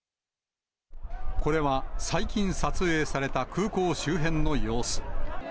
これは最近撮影された空港周辺の様子。